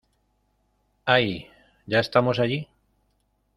¡ Ay! ¿ ya estamos allí?